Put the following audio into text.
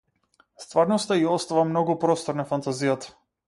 Стварноста ѝ остава многу простор на фантазијата.